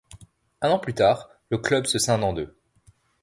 Un an plus tard le club se scinde en deux.